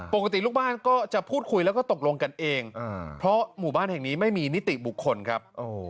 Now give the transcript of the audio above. ปกติลูกบ้านก็จะพูดคุยแล้วก็ตกลงกันเองเพราะหมู่บ้านแห่งนี้ไม่มีนิติบุคคลครับ